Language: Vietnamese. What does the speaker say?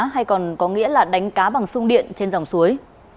hay còn có nghĩa là đánh cá bằng sung điện trên dòng suối